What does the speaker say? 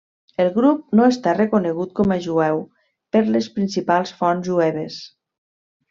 El grup no està reconegut com a jueu per les principals fonts jueves.